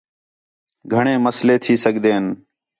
گھݨیں مسئلے تھی سڳدے ہِن